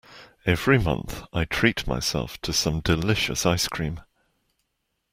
Every month, I treat myself to some delicious ice cream.